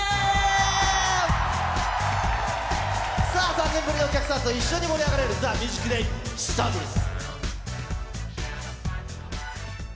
さあ、３年ぶりのお客さんと一緒に盛り上がれるＴＨＥＭＵＳＩＣＤＡＹ、スタートです。